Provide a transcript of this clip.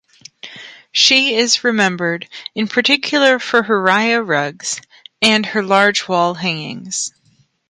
She is remembered in particular for her rya rugs and her large wall hangings.